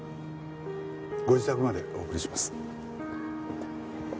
ご自宅までお送りします。